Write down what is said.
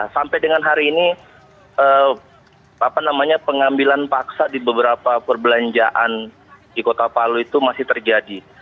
sampai dengan hari ini pengambilan paksa di beberapa perbelanjaan di kota palu itu masih terjadi